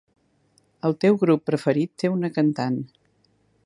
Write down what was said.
El teu grup preferit té una cantant.